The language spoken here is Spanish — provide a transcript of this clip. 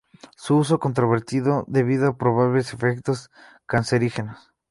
Su uso es controvertido debido a probables efectos cancerígenos.